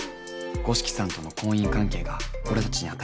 五色さんとの婚姻関係が俺たちに与える影響。